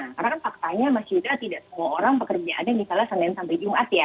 karena kan faktanya mas yuda tidak semua orang pekerjaan yang misalnya sampe jumat ya